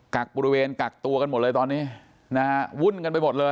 กักบริเวณกักตัวกันหมดเลยตอนนี้นะฮะวุ่นกันไปหมดเลย